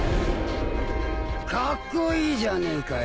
カッコイイじゃねえかよ。